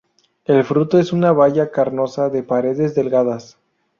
El fruto es una baya carnosa de paredes delgadas.